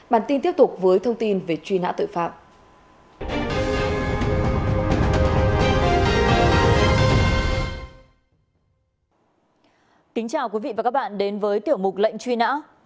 kính chào quý vị và các bạn đến với tiểu mục lệnh truy nã